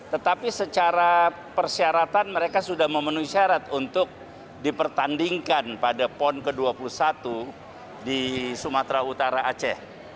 tetapi secara persyaratan mereka sudah memenuhi syarat untuk diperoleh